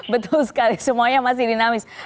betul sekali semuanya masih dinamis